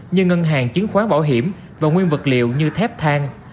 như ngân hàng chứng khoán bảo hiểm và nguyên vật liệu như thép thang